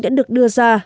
đã được đưa ra